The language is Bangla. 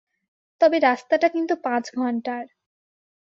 তবে রাস্তাটা কিন্তু পাঁচ ঘন্টার।